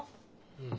うん。